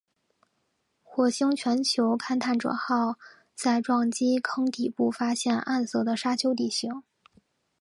火星全球探勘者号在该撞击坑底部发现暗色的沙丘地形。